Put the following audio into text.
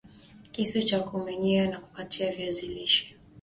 Kisu cha kumenyea na kukatia viazi lishe